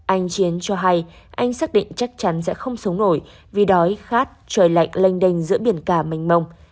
anh chiến cho hay anh xác định chắc chắn sẽ không sống nổi vì đói khát trời lạnh lênh đênh giữa biển cả mình mông